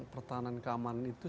pertahanan keamanan itu